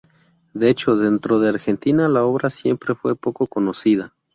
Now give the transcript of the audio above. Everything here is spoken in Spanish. De hecho, dentro de Argentina, la obra siempre fue poco conocida.